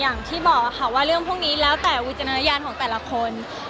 อย่างที่บอกค่ะว่าเรื่องพวกนี้แล้วแต่วิจารณญาณของแต่ละคน